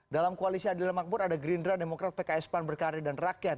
dalam koalisi adil makmur ada gerindra demokrat pks pan berkarya dan rakyat